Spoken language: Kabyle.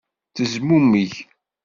Tezmumeg.